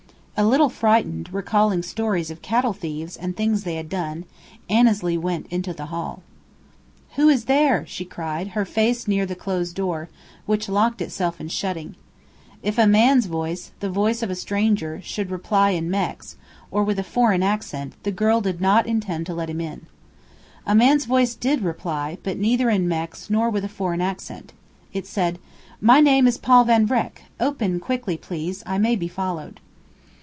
A little frightened, recalling stories of cattle thieves and things they had done, Annesley went into the hall. "Who is there?" she cried, her face near the closed door, which locked itself in shutting. If a man's voice the voice of a stranger should reply in "Mex," or with a foreign accent, the girl did not intend to let him in. A man's voice did reply, but neither in "Mex" nor with a foreign accent. It said: "My name is Paul Van Vreck. Open quickly, please. I may be followed."